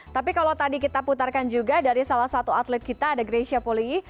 tapi kalau tadi kita putarkan juga dari salah satu atlet kita ada grecia poliyi